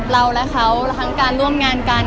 เราและเขาทั้งการร่วมงานกัน